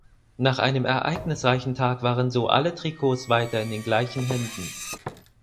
Nach einem ereignisreichen Tag waren so alle Trikots weiter in den gleichen Händen.